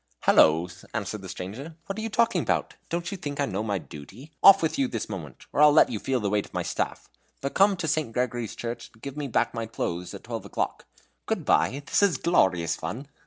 "Hallo!" answered the stranger. "What are you talking about? Do you think I don't know my duty? Off with you this moment, or I'll let you feel the weight of my staff. But come to St. Gregory's Church and give me back my clothes at twelve o'clock. Good bye. This is glorious fun!"